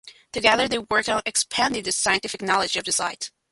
Together they worked on expanding the scientific knowledge of the site.